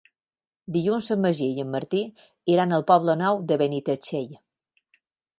Dilluns en Magí i en Martí iran al Poble Nou de Benitatxell.